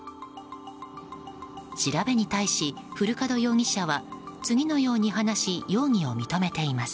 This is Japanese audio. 調べに対し、古門容疑者は次のように話し容疑を認めています。